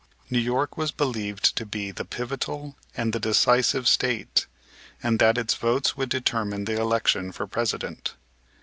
New York was believed to be the pivotal and the decisive State, and that its votes would determine the election for President.